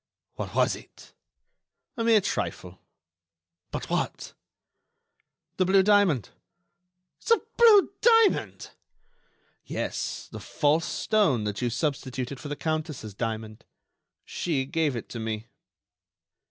"What was it?" "A mere trifle." "But what?" "The blue diamond." "The blue diamond!" "Yes, the false stone that you substituted for the Countess' diamond. She gave it to me."